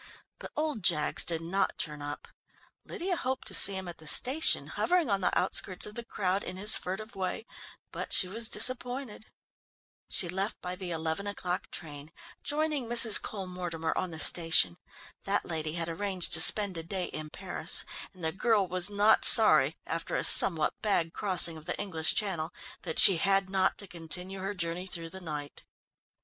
But old Jaggs did not turn up. Lydia hoped to see him at the station, hovering on the outskirts of the crowd in his furtive way, but she was disappointed. She left by the eleven o'clock train, joining Mrs. Cole Mortimer on the station. That lady had arranged to spend a day in Paris, and the girl was not sorry, after a somewhat bad crossing of the English Channel, that she had not to continue her journey through the night.